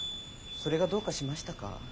それがどうかしましたか？